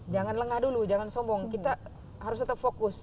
jangan lengah dulu jangan sombong kita harus tetap fokus